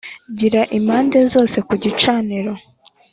gira impande zose ku gicaniro